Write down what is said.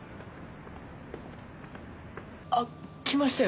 あっ来ましたよ